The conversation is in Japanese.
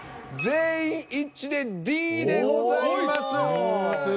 全員一致でＤでございます。